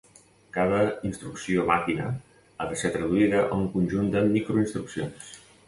Cada instrucció màquina ha de ser traduïda a un conjunt de microinstruccions.